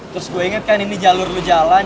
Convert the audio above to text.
terus gue inget kan ini jalur lu jalan